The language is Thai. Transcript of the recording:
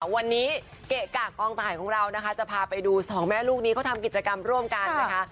วันนี้เกะกะกองถ่ายของเรานะคะจะพาไปดูสองแม่ลูกนี้เขาทำกิจกรรมร่วมกันนะคะ